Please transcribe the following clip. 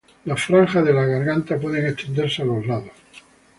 Las franjas de la garganta pueden extenderse a los lados.